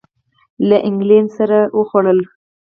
له اینګلینډ سره وخوړل.